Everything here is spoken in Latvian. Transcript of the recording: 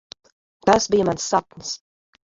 Tas bija mans sapnis.